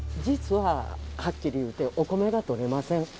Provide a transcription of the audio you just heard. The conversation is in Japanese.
実ははっきり言うてお米が採れません。